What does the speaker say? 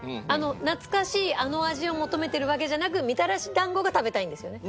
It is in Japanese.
懐かしいあの味を求めてるわけじゃなくみたらし団子が食べたいんですよね？